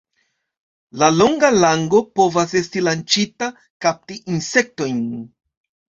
La longa lango povas esti lanĉita kapti insektojn.